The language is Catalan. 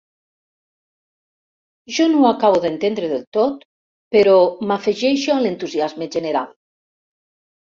Jo no ho acabo d'entendre del tot, però m'afegeixo a l'entusiasme general.